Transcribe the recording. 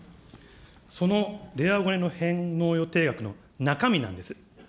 その令和５年の返納予定額の中身なんです。